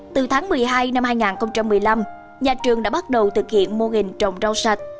từ tháng một mươi hai năm hai nghìn một mươi năm nhà trường đã bắt đầu thực hiện mô hình trồng rau sạch